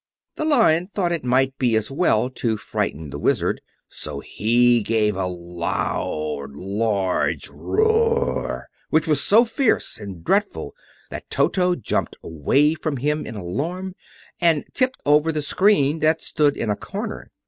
The Lion thought it might be as well to frighten the Wizard, so he gave a large, loud roar, which was so fierce and dreadful that Toto jumped away from him in alarm and tipped over the screen that stood in a corner.